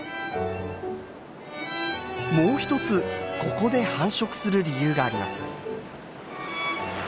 もう一つここで繁殖する理由があります。